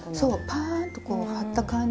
パーッとこう張った感じが。